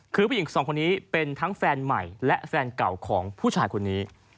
คือผู้หญิงสองคนนี้เป็นทั้งแฟนใหม่และแฟนเก่าของผู้ชายคนนี้